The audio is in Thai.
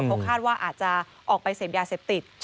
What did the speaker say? เขาคาดว่าอาจจะออกไปเสพยาเสพติด